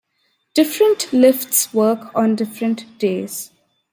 Different lifts work on different days.